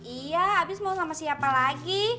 iya abis mau sama siapa lagi